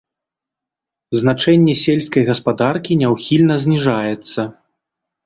Значэнне сельскай гаспадаркі няўхільна зніжаецца.